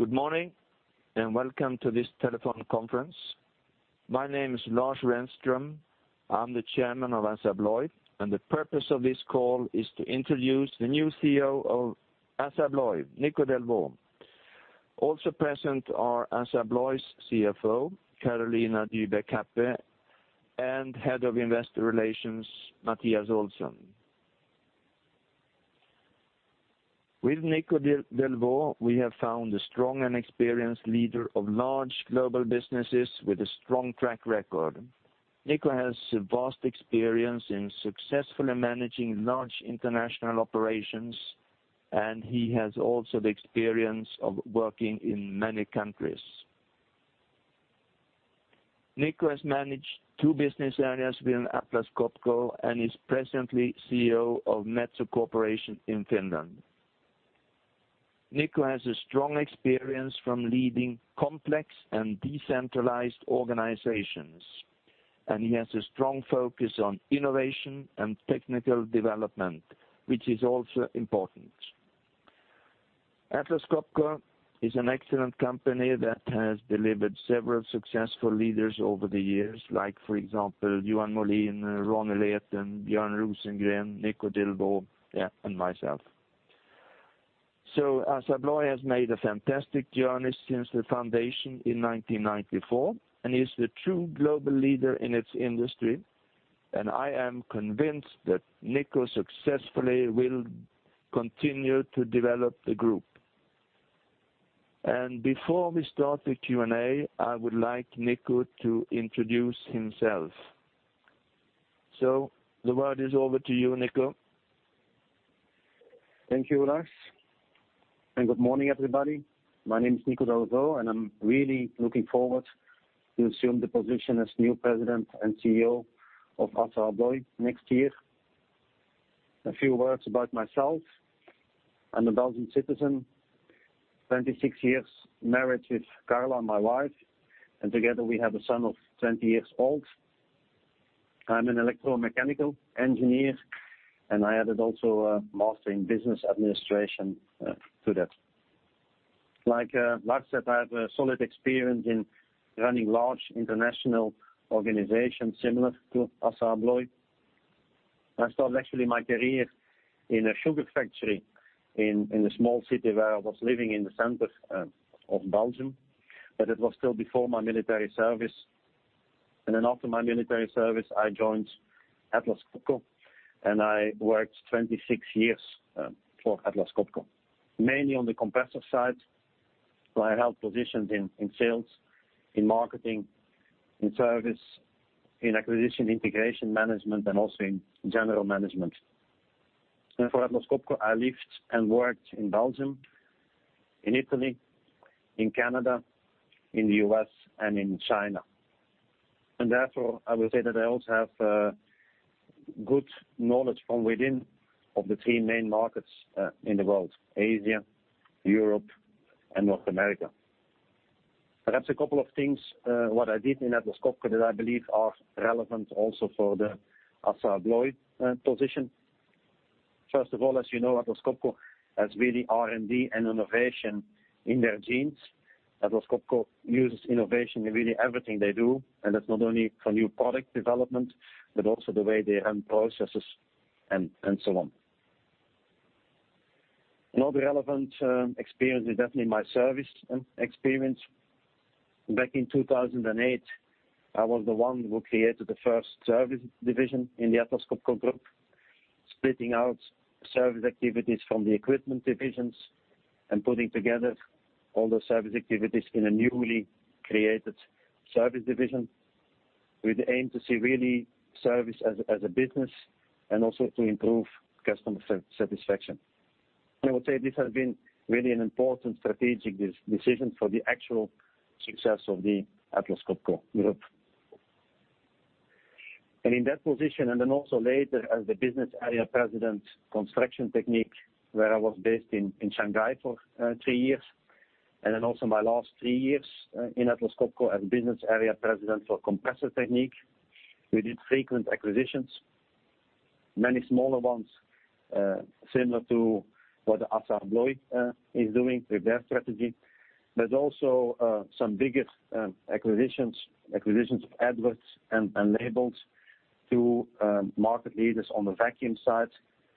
Good morning, welcome to this telephone conference. My name is Lars Renström. I am the Chairman of Assa Abloy, the purpose of this call is to introduce the new CEO of Assa Abloy, Nico Delvaux. Also present are Assa Abloy's CFO, Carolina Dybeck Happe, and Head of Investor Relations, Mattias Olsson. With Nico Delvaux, we have found a strong and experienced leader of large global businesses with a strong track record. Nico has vast experience in successfully managing large international operations, he has also the experience of working in many countries. Nico has managed two business areas within Atlas Copco and is presently CEO of Metso Corporation in Finland. Nico has strong experience from leading complex and decentralized organizations, he has a strong focus on innovation and technical development, which is also important. Atlas Copco is an excellent company that has delivered several successful leaders over the years like, for example, Johan Molin, Ronnie Leten, Björn Rosengren, Nico Delvaux, and myself. Assa Abloy has made a fantastic journey since the foundation in 1994 and is the true global leader in its industry, I am convinced that Nico successfully will continue to develop the group. Before we start the Q&A, I would like Nico to introduce himself. The word is over to you, Nico. Thank you, Lars. Good morning, everybody. My name is Nico Delvaux, I am really looking forward to assume the position as new President and CEO of Assa Abloy next year. A few words about myself. I am a Belgian citizen, 26 years married with Carla, my wife, and together we have a son of 20 years old. I am an electromechanical engineer, I added also a master in business administration to that. Like Lars said, I have solid experience in running large international organizations similar to Assa Abloy. I started actually my career in a sugar factory in a small city where I was living in the center of Belgium, it was still before my military service. After my military service, I joined Atlas Copco, I worked 26 years for Atlas Copco, mainly on the compressor side, where I held positions in sales, in marketing, in service, in acquisition integration management, and also in general management. For Atlas Copco, I lived and worked in Belgium, in Italy, in Canada, in the U.S., and in China. Therefore, I would say that I also have good knowledge from within of the three main markets in the world, Asia, Europe, and North America. Perhaps a couple of things what I did in Atlas Copco that I believe are relevant also for the Assa Abloy position. First of all, as you know, Atlas Copco has really R&D and innovation in their genes. Atlas Copco uses innovation in really everything they do, that's not only for new product development, but also the way they run processes and so on. Another relevant experience is definitely my service experience. Back in 2008, I was the one who created the first service division in the Atlas Copco group, splitting out service activities from the equipment divisions and putting together all the service activities in a newly created service division with the aim to see really service as a business and also to improve customer satisfaction. I would say this has been really an important strategic decision for the actual success of the Atlas Copco group. In that position, and then also later as the business area President, Construction Technique, where I was based in Shanghai for three years, and then also my last three years in Atlas Copco as business area President for Compressor Technique. We did frequent acquisitions, many smaller ones, similar to what Assa Abloy is doing with their strategy. Also some bigger acquisitions of Edwards and Leybold, two market leaders on the vacuum side,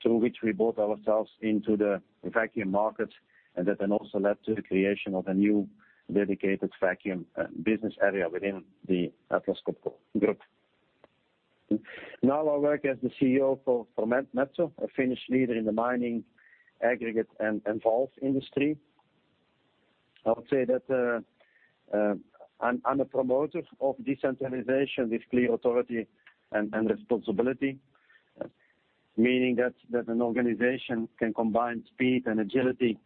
through which we bought ourselves into the vacuum market, and that then also led to the creation of a new dedicated vacuum business area within the Atlas Copco group. Now I work as the CEO for Metso, a Finnish leader in the mining aggregate and valve industry. I would say that I'm a promoter of decentralization with clear authority and responsibility, meaning that an organization can combine speed and agility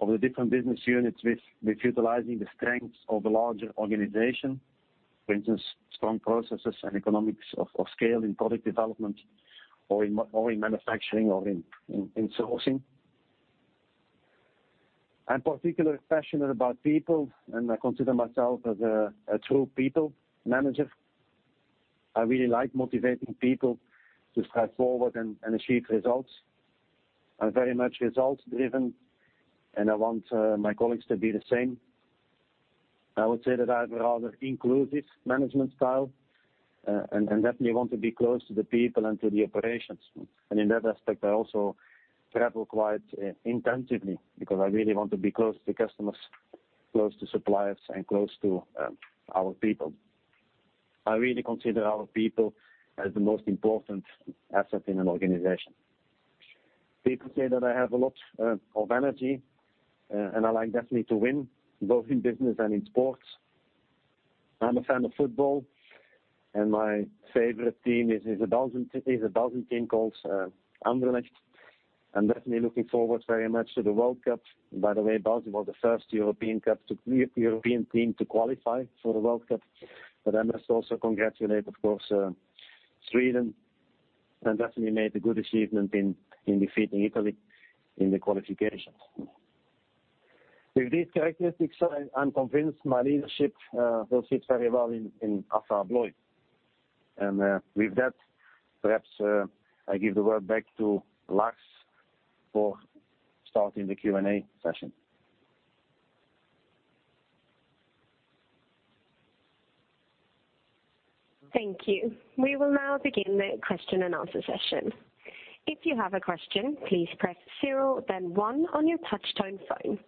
of the different business units with utilizing the strengths of the larger organization. For instance, strong processes and economics of scale in product development or in manufacturing or in sourcing. I'm particularly passionate about people, and I consider myself as a true people manager. I really like motivating people to strive forward and achieve results. I'm very much results driven, and I want my colleagues to be the same. I would say that I have a rather inclusive management style, and definitely want to be close to the people and to the operations. In that aspect, I also travel quite intensively because I really want to be close to customers, close to suppliers, and close to our people. I really consider our people as the most important asset in an organization. People say that I have a lot of energy, and I like definitely to win, both in business and in sports. I'm a fan of football, and my favorite team is a Belgian team called Anderlecht. I'm definitely looking forward very much to the World Cup. By the way, Belgium was the first European team to qualify for the World Cup. I must also congratulate, of course, Sweden, and definitely made a good achievement in defeating Italy in the qualifications. With these characteristics, I'm convinced my leadership will fit very well in Assa Abloy. With that, perhaps, I give the word back to Lars for starting the Q&A session. Thank you. We will now begin the question and answer session. If you have a question, please press zero then one on your touch tone phone.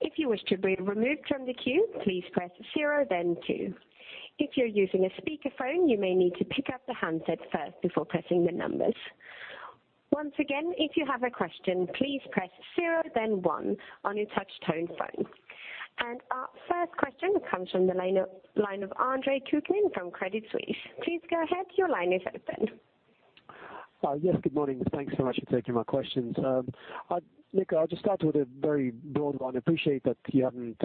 If you wish to be removed from the queue, please press zero then two. If you're using a speakerphone, you may need to pick up the handset first before pressing the numbers. Once again, if you have a question, please press zero then one on your touch tone phone. Our first question comes from the line of Andre Kukhnin from Credit Suisse. Please go ahead. Your line is open. Yes, good morning. Thanks so much for taking my questions. Nico, I'll just start with a very broad one. I appreciate that you haven't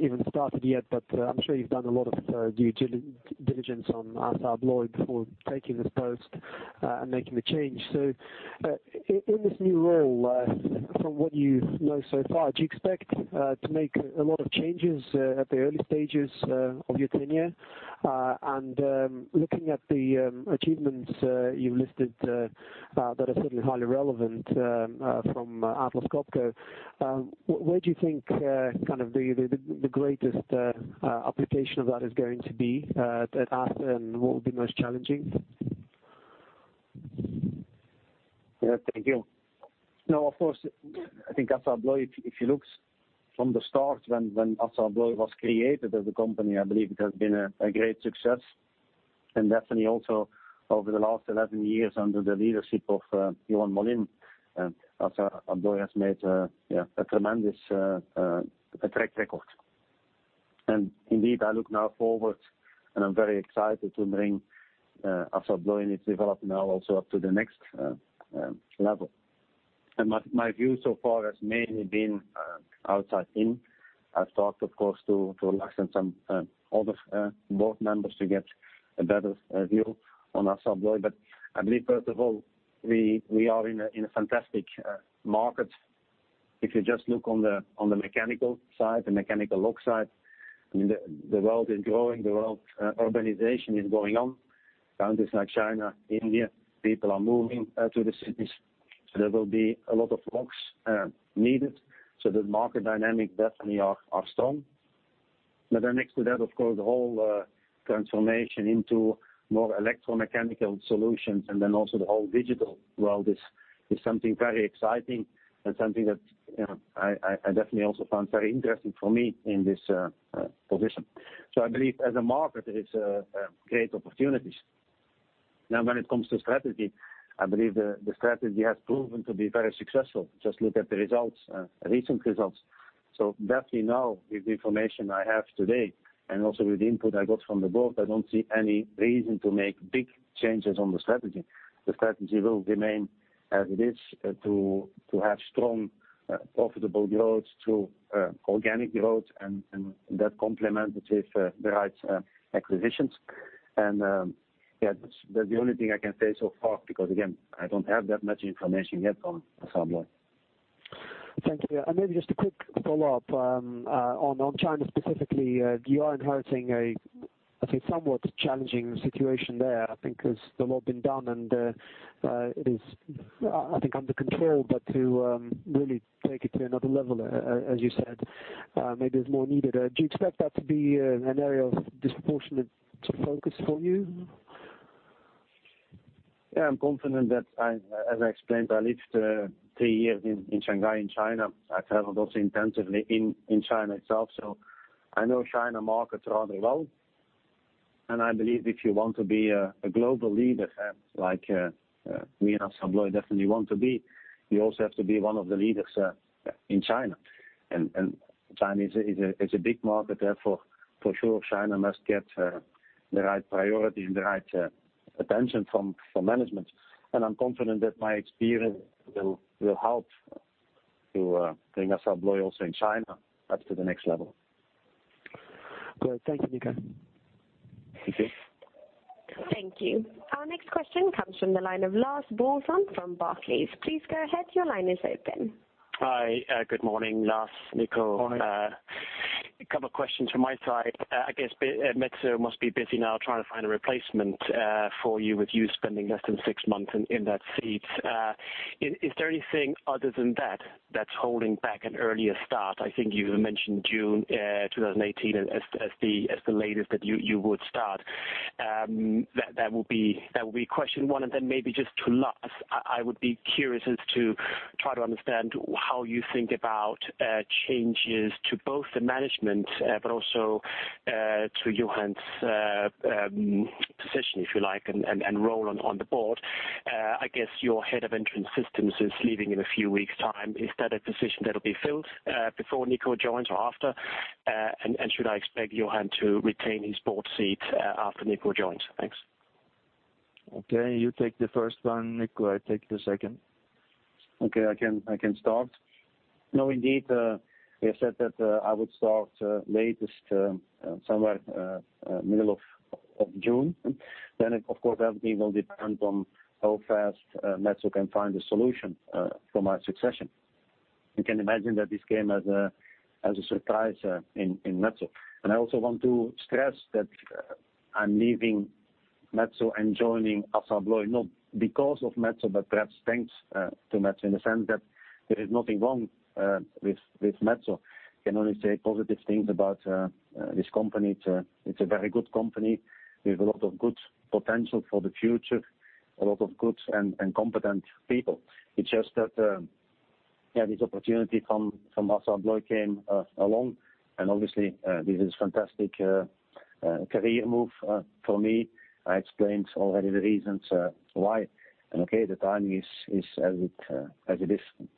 even started yet, but I'm sure you've done a lot of due diligence on Assa Abloy before taking this post and making the change. In this new role, from what you know so far, do you expect to make a lot of changes at the early stages of your tenure? Looking at the achievements you listed that are certainly highly relevant from Atlas Copco, where do you think the greatest application of that is going to be at Assa, and what will be most challenging? Thank you. Of course, I think Assa Abloy, if you look from the start when Assa Abloy was created as a company, I believe it has been a great success. Definitely also over the last 11 years under the leadership of Johan Molin, Assa Abloy has made a tremendous track record. Indeed, I look now forward and I'm very excited to bring Assa Abloy in its development now also up to the next level. My view so far has mainly been outside in. I've talked, of course, to Lars and some other board members to get a better view on Assa Abloy. I believe first of all, we are in a fantastic market. If you just look on the mechanical side, the mechanical lock side, the world is growing, the world urbanization is going on. Countries like China, India, people are moving to the cities. There will be a lot of locks needed. The market dynamic definitely are strong. Next to that, of course, the whole transformation into more electromechanical solutions and then also the whole digital world is something very exciting and something that I definitely also found very interesting for me in this position. I believe as a market, there is great opportunities. When it comes to strategy, I believe the strategy has proven to be very successful. Just look at the results, recent results. Definitely now with the information I have today and also with the input I got from the board, I don't see any reason to make big changes on the strategy. The strategy will remain as it is to have strong profitable growth through organic growth and that complemented with the right acquisitions. That's the only thing I can say so far, because again, I don't have that much information yet on Assa Abloy. Thank you. Maybe just a quick follow-up on China specifically. You are inheriting a, I'd say, somewhat challenging situation there. I think there's a lot been done and it is, I think, under control. To really take it to another level, as you said, maybe is more needed. Do you expect that to be an area of disproportionate focus for you? Yeah, I'm confident that, as I explained, I lived three years in Shanghai, in China. I traveled also intensively in China itself. I know China markets rather well, and I believe if you want to be a global leader, like we in Assa Abloy definitely want to be, you also have to be one of the leaders in China. China is a big market, therefore, for sure, China must get the right priority and the right attention from management. I'm confident that my experience will help to bring Assa Abloy also in China up to the next level. Great. Thank you, Nico. Thank you. Thank you. Our next question comes from the line of Lars Brorson from Barclays. Please go ahead. Your line is open. Hi, good morning, Lars, Nico. Morning. A couple questions from my side. I guess Metso must be busy now trying to find a replacement for you, with you spending less than six months in that seat. Is there anything other than that's holding back an earlier start? I think you mentioned June 2018 as the latest that you would start. That will be question one, and then maybe just to last, I would be curious as to try to understand how you think about changes to both the management but also to Johan's position, if you like, and role on the board. I guess your head of Entrance Systems is leaving in a few weeks' time. Is that a position that'll be filled before Nico joins or after? And should I expect Johan to retain his board seat after Nico joins? Thanks. You take the first one, Nico. I take the second. I can start. Indeed, we have said that I would start latest somewhere middle of June. Of course, everything will depend on how fast Metso can find a solution for my succession. You can imagine that this came as a surprise in Metso. I also want to stress that I'm leaving Metso and joining Assa Abloy, not because of Metso, but perhaps thanks to Metso, in the sense that there is nothing wrong with Metso. I can only say positive things about this company. It's a very good company with a lot of good potential for the future, a lot of good and competent people. It's just that this opportunity from Assa Abloy came along, and obviously, this is fantastic career move for me. I explained already the reasons why, and okay, the timing is as it is.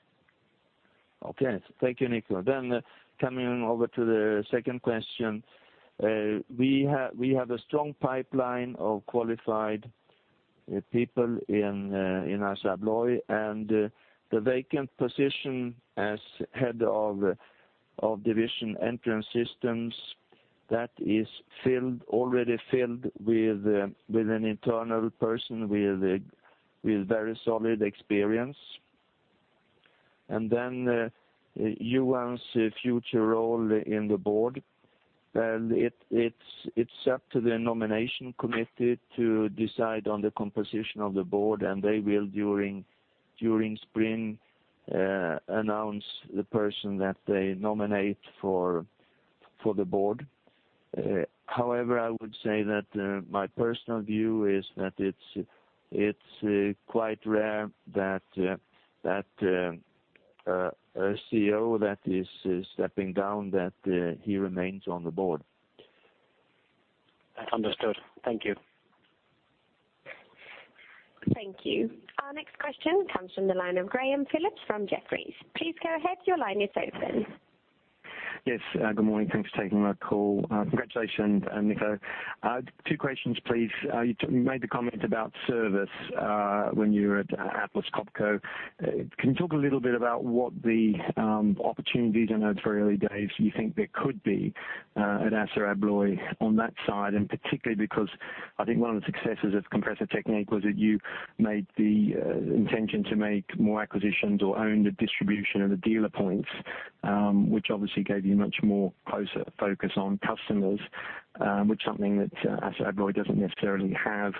Thank you, Nico. Coming over to the second question. We have a strong pipeline of qualified people in Assa Abloy, and the vacant position as head of division Entrance Systems, that is already filled with an internal person with very solid experience. Johan's future role in the board, it's up to the nomination committee to decide on the composition of the board, and they will, during spring, announce the person that they nominate for the board. I would say that my personal view is that it's quite rare that a CEO that is stepping down, that he remains on the board. Understood. Thank you. Thank you. Our next question comes from the line of Graeme Phillips from Jefferies. Please go ahead, your line is open. Yes. Good morning. Thanks for taking my call. Congratulations, Nico. Two questions, please. You made the comment about service when you were at Atlas Copco. Can you talk a little bit about what the opportunities, I know it is very early days, you think there could be at Assa Abloy on that side, particularly because I think one of the successes of Compressor Technique was that you made the intention to make more acquisitions or own the distribution of the dealer points, which obviously gave you much more closer focus on customers, which something that Assa Abloy does not necessarily have.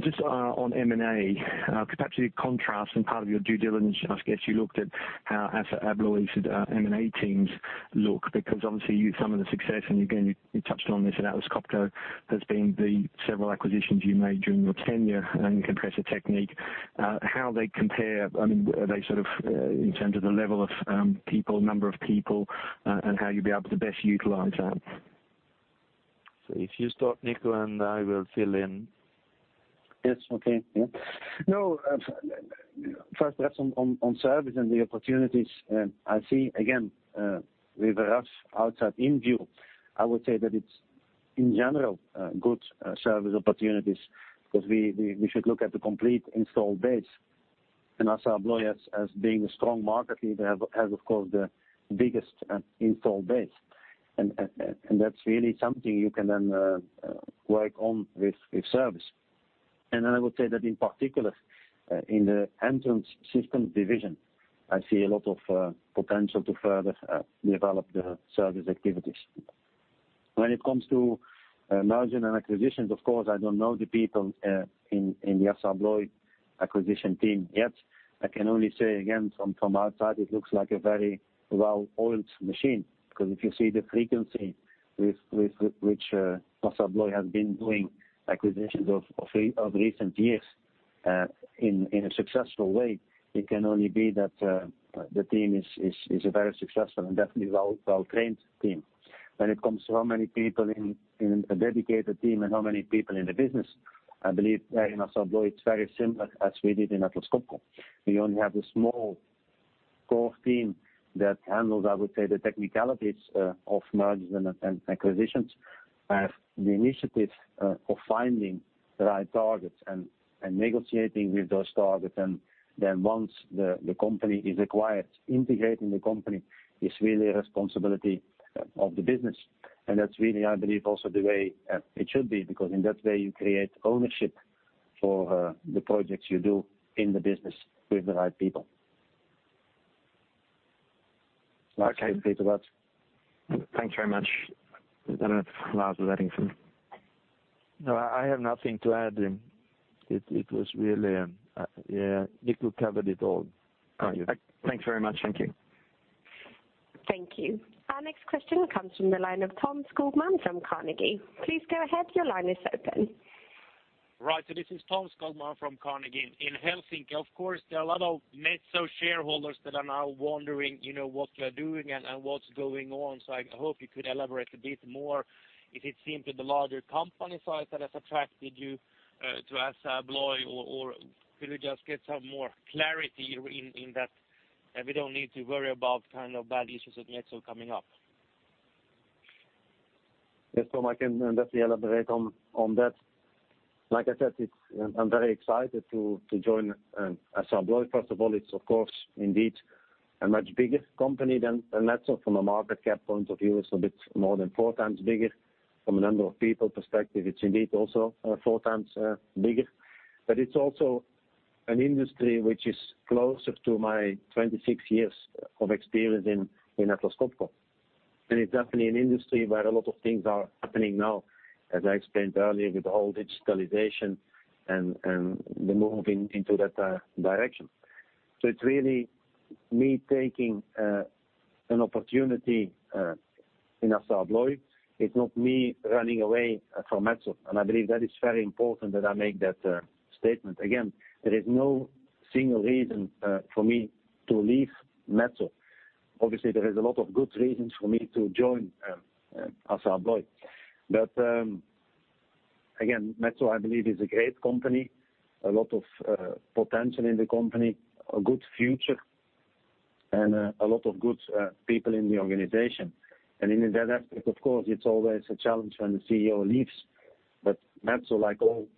Just on M&A, could perhaps contrast in part of your due diligence, I guess you looked at how Assa Abloy's M&A teams look, because obviously some of the success, again, you touched on this at Atlas Copco, has been the several acquisitions you made during your tenure in Compressor Technique. How they compare, are they sort of in terms of the level of people, number of people, and how you will be able to best utilize that? If you start, Nico, and I will fill in. Yes, okay. First perhaps on service and the opportunities I see, again, with a rough outside-in view, I would say that it's in general good service opportunities, because we should look at the complete install base, and Assa Abloy as being a strong market leader, has of course, the biggest install base, and that's really something you can then work on with service. I would say that in particular, in the Entrance Systems division, I see a lot of potential to further develop the service activities. When it comes to merger and acquisitions, of course, I don't know the people in the Assa Abloy acquisition team yet. I can only say again, from outside, it looks like a very well-oiled machine, because if you see the frequency with which Assa Abloy has been doing acquisitions of recent years in a successful way, it can only be that the team is a very successful and definitely well-trained team. When it comes to how many people in a dedicated team and how many people in the business, I believe in Assa Abloy, it's very similar as we did in Atlas Copco. We only have a small core team that handles, I would say, the technicalities of mergers and acquisitions. The initiative of finding the right targets and negotiating with those targets, once the company is acquired, integrating the company is really a responsibility of the business. That's really, I believe, also the way it should be, because in that way, you create ownership for the projects you do in the business with the right people. [inaudible] Thanks very much. I don't know if Lars would add anything. No, I have nothing to add. Nico covered it all. Okay. Thanks very much. Thank you. Thank you. Our next question comes from the line of Tom Skogman from Carnegie. Please go ahead. Your line is open. This is Tom Skogman from Carnegie in Helsinki. Of course, there are a lot of Metso shareholders that are now wondering what you're doing and what's going on. I hope you could elaborate a bit more, if it's simply the larger company size that has attracted you to Assa Abloy, or could we just get some more clarity in that, and we don't need to worry about kind of bad issues with Metso coming up? Yes, Tom, I can definitely elaborate on that. Like I said, I'm very excited to join Assa Abloy. First of all, it's of course, indeed, a much bigger company than Metso from a market cap point of view. It's a bit more than four times bigger. From a number of people perspective, it's indeed also four times bigger. It's also an industry which is closer to my 26 years of experience in Atlas Copco. It's definitely an industry where a lot of things are happening now, as I explained earlier, with the whole digitalization and the move into that direction. It's really me taking an opportunity in Assa Abloy. It's not me running away from Metso, I believe that is very important that I make that statement. Again, there is no single reason for me to leave Metso. Obviously, there is a lot of good reasons for me to join Assa Abloy. Again, Metso, I believe, is a great company, a lot of potential in the company, a good future, a lot of good people in the organization. In that aspect, of course, it's always a challenge when the CEO leaves. Metso, like all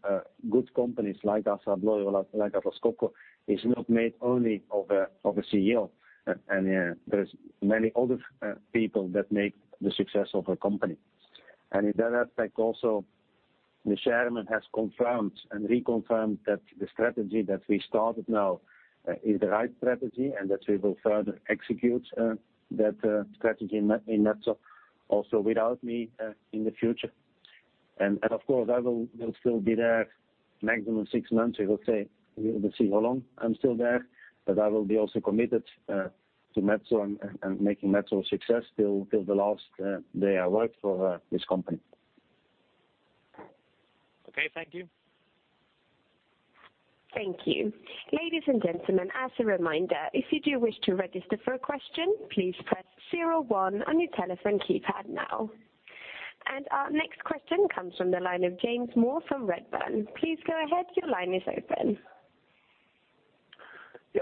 good companies, like Assa Abloy or like Atlas Copco, is not made only of a CEO. There's many other people that make the success of a company. In that aspect also, the chairman has confirmed and reconfirmed that the strategy that we started now is the right strategy, that we will further execute that strategy in Metso also without me in the future. Of course, I will still be there maximum six months. We will see how long I'm still there, I will be also committed to Metso and making Metso a success till the last day I work for this company. Okay. Thank you. Thank you. Ladies and gentlemen, as a reminder, if you do wish to register for a question, please press 01 on your telephone keypad now. Our next question comes from the line of James Moore from Redburn. Please go ahead. Your line is open.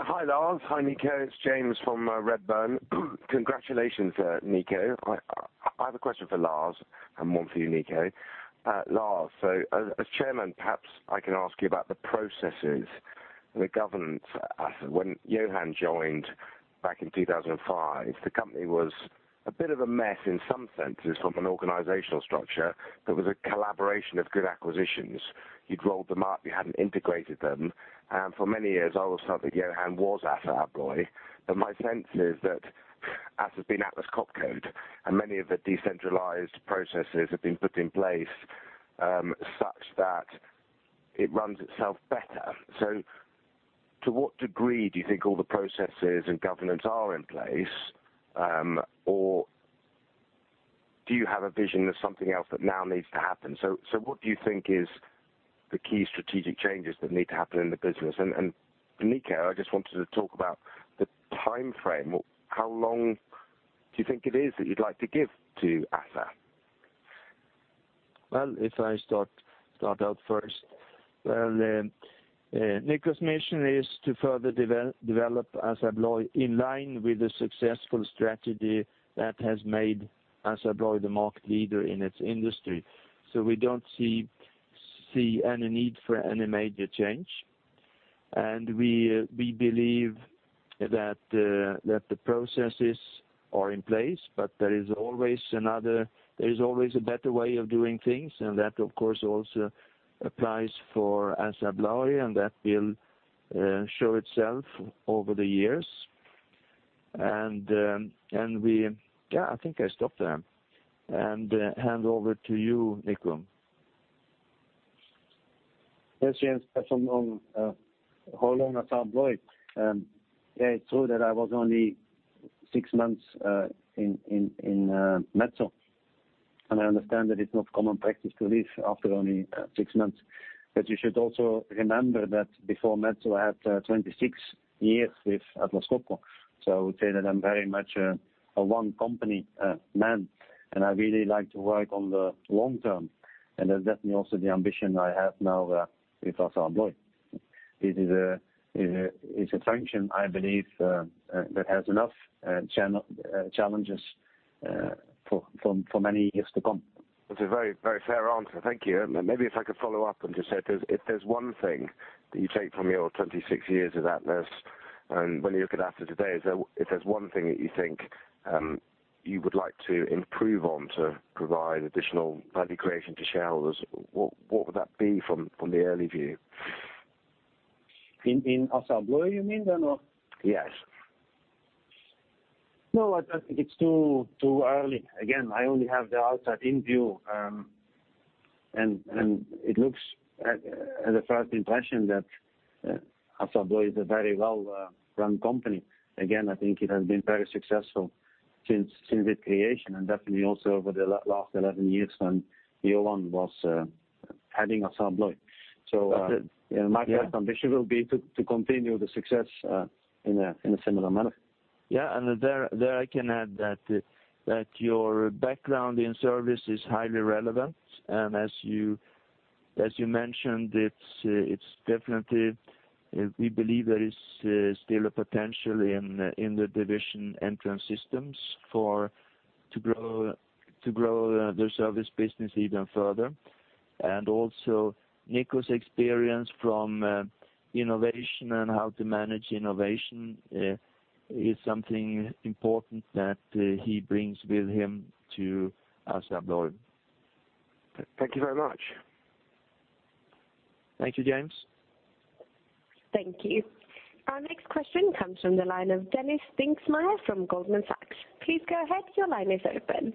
Hi, Lars. Hi, Nico. It's James from Redburn. Congratulations, Nico. I have a question for Lars and one for you, Nico. Lars, as Chairman, perhaps I can ask you about the processes, the governance. When Johan Molin joined back in 2005, the company was a bit of a mess in some senses from an organizational structure that was a collaboration of good acquisitions. You'd rolled them up, you hadn't integrated them. For many years, I always thought that Johan Molin was Assa Abloy. My sense is that Assa has been Atlas Copco, and many of the decentralized processes have been put in place, such that it runs itself better. To what degree do you think all the processes and governance are in place? Do you have a vision of something else that now needs to happen? What do you think is the key strategic changes that need to happen in the business? Nico, I just wanted to talk about the timeframe. How long do you think it is that you'd like to give to Assa? Well, if I start out first. Well, Nico's mission is to further develop Assa Abloy in line with the successful strategy that has made Assa Abloy the market leader in its industry. We don't see any need for any major change. We believe that the processes are in place, but there is always a better way of doing things. That of course also applies for Assa Abloy, and that will show itself over the years. I think I stop there and hand over to you, Nico. Yes, James. As for how long at Assa Abloy. Yeah, it's true that I was only six months in Metso, and I understand that it's not common practice to leave after only six months. You should also remember that before Metso, I had 26 years with Atlas Copco. I would say that I'm very much a one-company man, and I really like to work on the long term. That's definitely also the ambition I have now with Assa Abloy. It's a function, I believe, that has enough challenges for many years to come. That's a very fair answer. Thank you. Maybe if I could follow up and just say, if there's one thing that you take from your 26 years at Atlas, and when you look at Assa today, if there's one thing that you think you would like to improve on to provide additional value creation to shareholders, what would that be from the early view? In Assa Abloy, you mean, or no? Yes. No, I think it's too early. Again, I only have the outside in view, and it looks as a first impression that Assa Abloy is a very well-run company. Again, I think it has been very successful since its creation and definitely also over the last 11 years when Johan was heading Assa Abloy. That's it. Yeah. My ambition will be to continue the success in a similar manner. Yeah. There I can add that your background in service is highly relevant, and as you mentioned, we believe there is still a potential in the division Entrance Systems to grow their service business even further. Also Nico's experience from innovation and how to manage innovation, is something important that he brings with him to Assa Abloy. Thank you very much. Thank you, James. Thank you. Our next question comes from the line of Dennis Dicksmeier from Goldman Sachs. Please go ahead. Your line is open.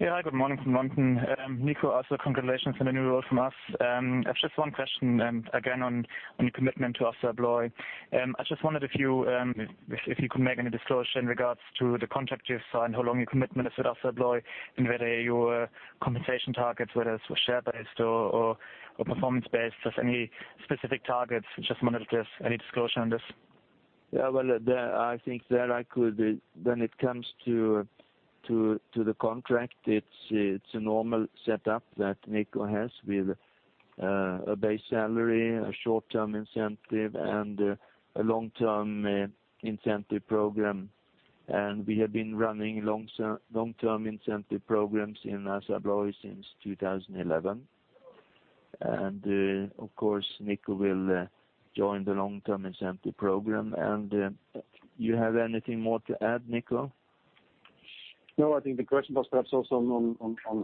Hi, good morning from London. Nico, also congratulations on the new role from us. I have just one question again on your commitment to Assa Abloy. I just wondered if you could make any disclosure in regards to the contract you have signed, how long your commitment is with Assa Abloy, and whether your compensation targets, whether it's share-based or performance-based, just any specific targets. Just wondered if there's any disclosure on this. Well, I think when it comes to the contract, it's a normal setup that Nico has with a base salary, a short-term incentive, and a long-term incentive program. We have been running long-term incentive programs in Assa Abloy since 2011. Of course, Nico will join the long-term incentive program. Do you have anything more to add, Nico? No, I think the question was perhaps also on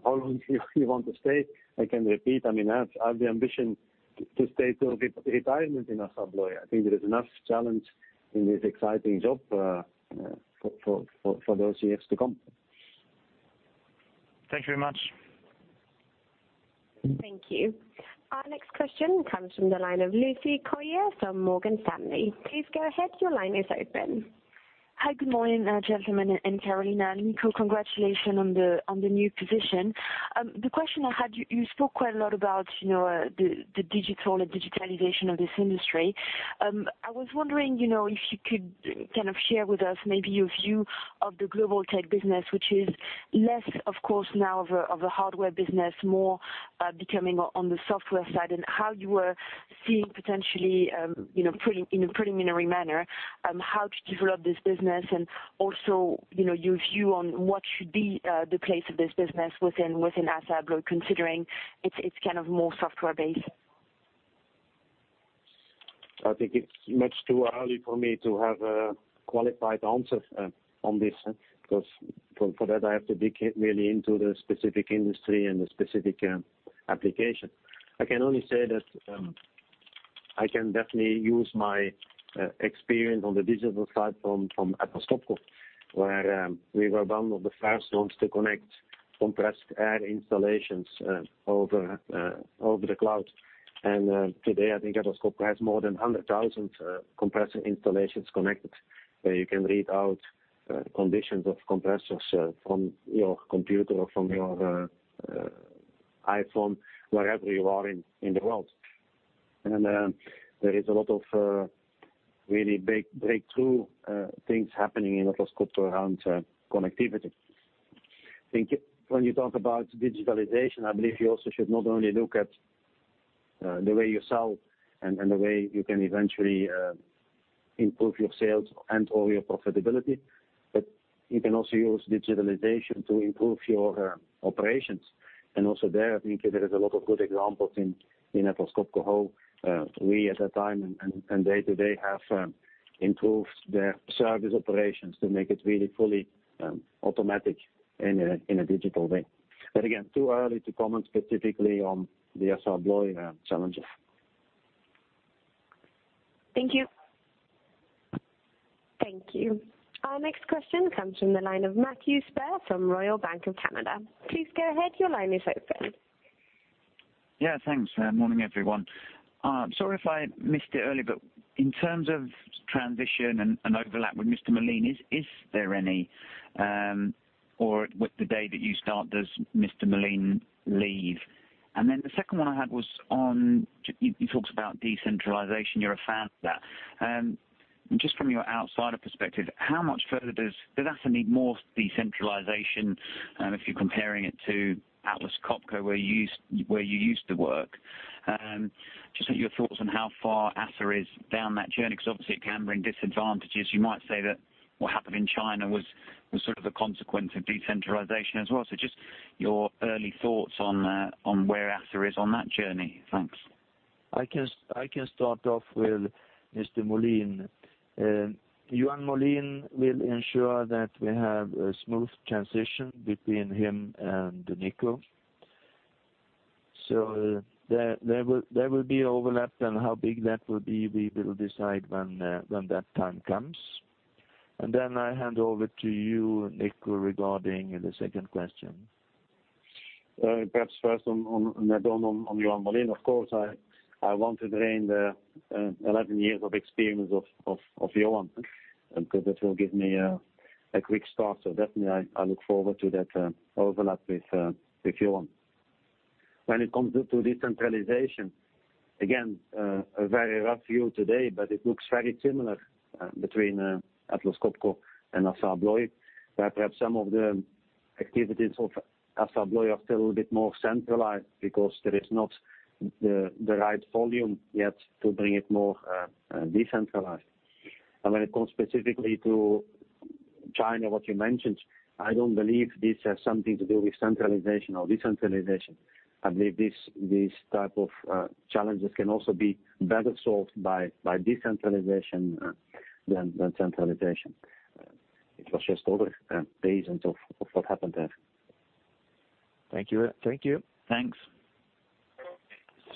how long you want to stay. I can repeat. I have the ambition to stay till retirement in Assa Abloy. I think there is enough challenge in this exciting job for those years to come. Thank you very much. Thank you. Our next question comes from the line of purr. Please go ahead. Your line is open. Hi. Good morning, gentlemen and Carolina. Nico, congratulations on the new position. The question I had, you spoke quite a lot about the digital and digitalization of this industry. I was wondering if you could kind of share with us maybe your view of the global tech business, which is less, of course, now of a hardware business, more becoming on the software side, and how you are seeing potentially, in a preliminary manner, how to develop this business and also your view on what should be the place of this business within Assa Abloy, considering it's kind of more software-based. I think it's much too early for me to have a qualified answer on this, because for that, I have to dig really into the specific industry and the specific application. I can only say that I can definitely use my experience on the digital side from Atlas Copco, where we were one of the first ones to connect compressed air installations over the cloud. Today, I think Atlas Copco has more than 100,000 compressor installations connected, where you can read out conditions of compressors from your computer or from your iPhone, wherever you are in the world. There is a lot of really breakthrough things happening in Atlas Copco around connectivity. I think when you talk about digitalization, I believe you also should not only look at the way you sell and the way you can eventually improve your sales and/or your profitability, but you can also use digitalization to improve your operations. Also there, I think there is a lot of good examples in Atlas Copco how we at that time and day to day have improved their service operations to make it really fully automatic in a digital way. Again, too early to comment specifically on the Assa Abloy challenges. Thank you. Thank you. Our next question comes from the line of Matthew Spurr from Royal Bank of Canada. Please go ahead. Your line is open. Thanks. Morning, everyone. In terms of transition and overlap with Mr. Molin, is there any, or with the day that you start, does Mr. Molin leave? The second one I had was on, you talked about decentralization, you're a fan of that. Just from your outsider perspective, does Assa need more decentralization if you're comparing it to Atlas Copco, where you used to work? Just want your thoughts on how far Assa is down that journey, because obviously it can bring disadvantages. You might say that what happened in China was sort of a consequence of decentralization as well. Just your early thoughts on where Assa is on that journey. Thanks. I can start off with Mr. Molin. Johan Molin will ensure that we have a smooth transition between him and Nico. There will be overlap, and how big that will be, we will decide when that time comes. I hand over to you, Nico, regarding the second question. Perhaps first on add-on, on Johan Molin. Of course, I want to drain the 11 years of experience of Johan, because it will give me a quick start. Definitely I look forward to that overlap with Johan. When it comes to decentralization, again, a very rough view today, but it looks very similar between Atlas Copco and Assa Abloy, where perhaps some of the activities of Assa Abloy are still a bit more centralized because there is not the right volume yet to bring it more decentralized. When it comes specifically to China, what you mentioned, I don't believe this has something to do with centralization or decentralization. I believe these type of challenges can also be better solved by decentralization than centralization. It was just over the agents of what happened there. Thank you. Thanks.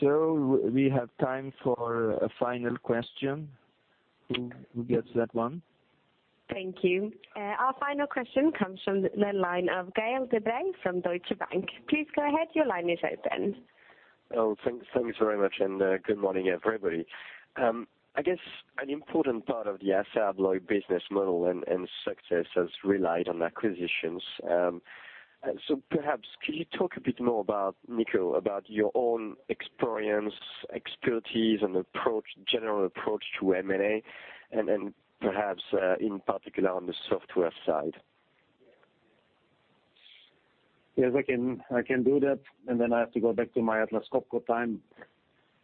We have time for a final question. Who gets that one? Thank you. Our final question comes from the line of Gael de-Bray from Deutsche Bank. Please go ahead. Your line is open. Thanks very much, and good morning, everybody. I guess an important part of the Assa Abloy business model and success has relied on acquisitions. Perhaps, could you talk a bit more about, Nico, about your own experience, expertise, and general approach to M&A and perhaps in particular on the software side? Yes, I can do that. I have to go back to my Atlas Copco time,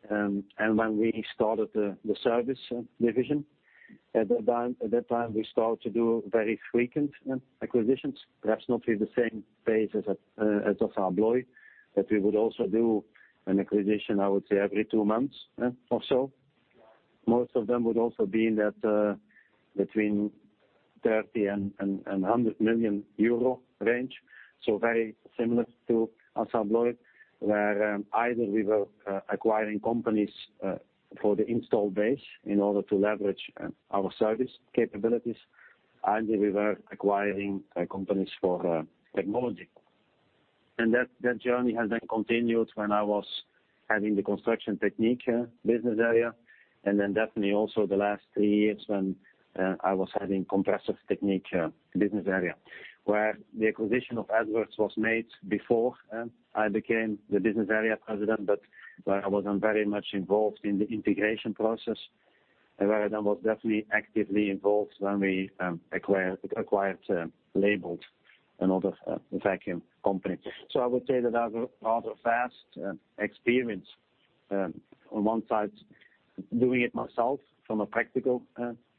and when we started the service division. At that time, we start to do very frequent acquisitions, perhaps not with the same pace as Assa Abloy, but we would also do an acquisition, I would say every 2 months or so. Most of them would also be in between €30 million-€100 million range. Very similar to Assa Abloy, where either we were acquiring companies for the install base in order to leverage our service capabilities, and we were acquiring companies for technology. That journey has then continued when I was having the Construction Technique business area, then definitely also the last three years when I was having Compressor Technique business area, where the acquisition of Edwards was made before I became the business area president, but where I was not very much involved in the integration process and where I was definitely actively involved when we acquired Leybold, another vacuum company. I would say that I have a rather vast experience. On one side, doing it myself from a practical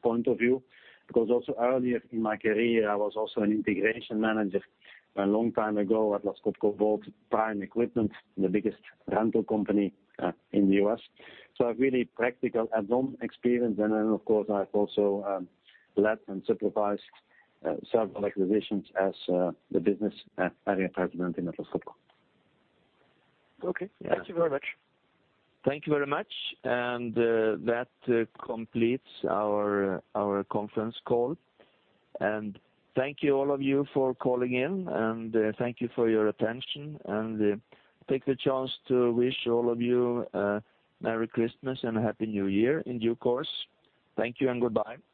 point of view, because also earlier in my career, I was also an integration manager a long time ago, Atlas Copco bought Prime Service, Inc., the biggest rental company in the U.S. I've really practical add-on experience. Then, of course, I've also led and supervised several acquisitions as the business area president in Atlas Copco. Okay. Thank you very much. Thank you very much. That completes our conference call. Thank you all of you for calling in, and thank you for your attention, and take the chance to wish all of you a Merry Christmas and a Happy New Year in due course. Thank you and goodbye.